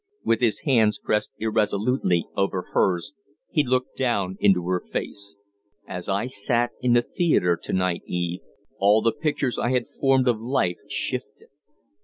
With his hands pressed irresolutely over hers, he looked down into her face. "As I sat in the theatre to night, Eve," he said, slowly, "all the pictures I had formed of life shifted.